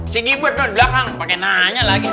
si gibet tuh di belakang pake naanya lagi ah